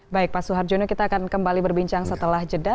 baik pak suharjono kita akan kembali berbincang setelah jeda